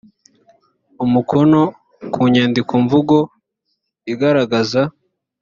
umukono ku nyandikomvugo igaragaza